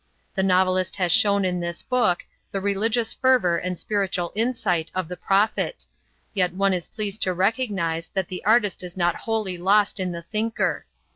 The novelist has shown in this book the religious fervor and spiritual insight of the prophet; yet one is pleased to recognize that the artist is not wholly lost in the thinker.